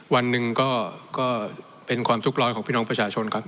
วันหนึ่งก็เป็นความทุกข์ร้อนของพี่น้องประชาชนครับ